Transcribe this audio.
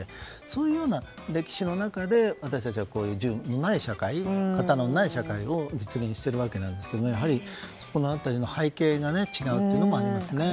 そういうような歴史の中で私たちは銃のない社会、刀のない社会を実現しているわけですがやはり、その辺りの背景が違うというのもありますよね。